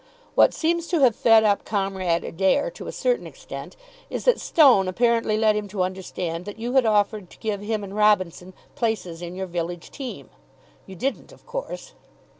What seems to have fed up Comrade Adair, to a certain extent, is that Stone apparently led him to understand that you had offered to give him and Robinson places in your village team. You didn't, of course?"